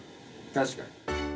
確かに。